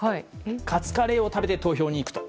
カツカレーを食べて投票に行くと。